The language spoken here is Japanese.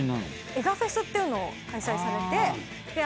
エガフェスっていうのを開催されて。